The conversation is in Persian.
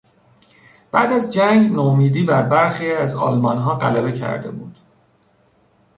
بعد از جنگ نومیدی بر برخی از آلمانها غلبه کرده بود.